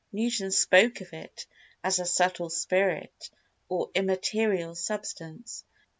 Newton spoke of it as a "subtle spirit, or immaterial substance."